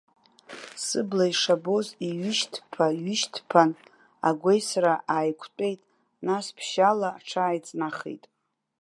Сыбла ишабоз иҩышьҭԥа-ҩышьҭԥан, агәеисра ааиқәтәеит, нас ԥшьшьала аҽааиҵнахит.